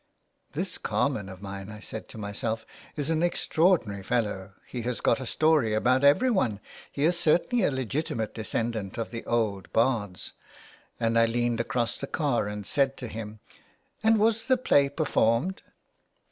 *' This carman of mine," I said to myself, " is an extraordinary fellow, he has got a story about every one, he is certainly a legitimate descendant of the old bards," and I leaned across the car and said to him :" And was the play performed